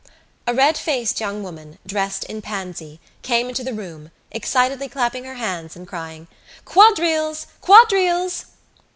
A red faced young woman, dressed in pansy, came into the room, excitedly clapping her hands and crying: "Quadrilles! Quadrilles!"